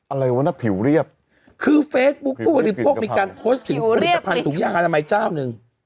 อะไรวะน่ะผิวเรียบคือเฟซบุ๊คพวกมีการโพสต์ถึงผลิตกระพันธุ์ถุงยางอนามัยเจ้าหนึ่ง